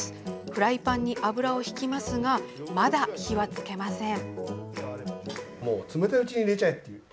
フライパンに油をひきますがまだ火はつけません。